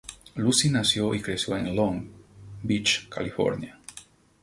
Luci nació y creció en Long Beach, California.